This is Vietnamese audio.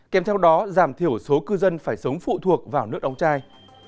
kèm theo đó giảm thiểu số cư dân phải sống phụ thuộc vào nước đóng chai